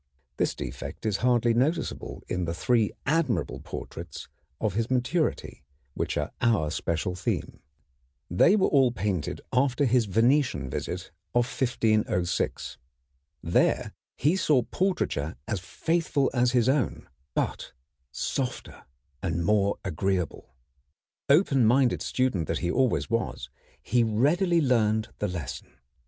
This defect is hardly noticeable in the three admirable portraits of his maturity, which are our special theme. They were all painted after his Venetian visit of 1506. There he saw portraiture as faithful as his own, but softer and more agreeable. Open minded student that he always was, he readily learned the lesson.